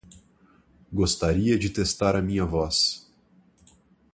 Gostaria de testar a minha voz